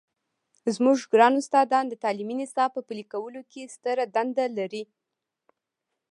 زموږ ګران استادان د تعلیمي نصاب په پلي کولو کې ستره دنده لري.